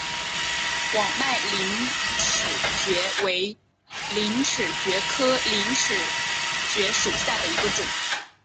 网脉陵齿蕨为陵齿蕨科陵齿蕨属下的一个种。